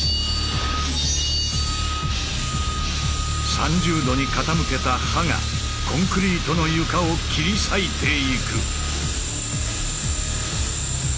３０°に傾けた刃がコンクリートの床を切り裂いていく。